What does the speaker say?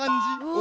お！